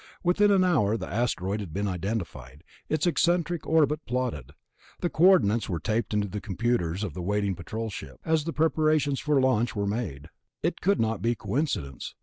Within an hour the asteroid had been identified, its eccentric orbit plotted. The coordinates were taped into the computers of the waiting Patrol ship, as the preparations for launching were made. It could not be coincidence.